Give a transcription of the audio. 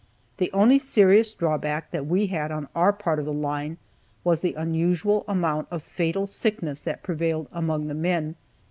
The only serious drawback that we had on our part of the line was the unusual amount of fatal sickness that prevailed among the men.